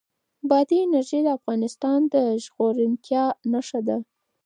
بادي انرژي د افغانستان د زرغونتیا نښه ده.